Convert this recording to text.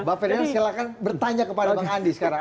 bang ferdinand silakan bertanya kepada bang andi sekarang